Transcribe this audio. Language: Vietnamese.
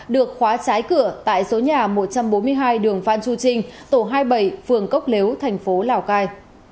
được khóa trái cửa tại số nhà một trăm bốn mươi hai đường phan chu trinh tổ hai mươi bảy phường cốc lếu thành phố lào cai